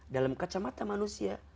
dalam kacamata manusia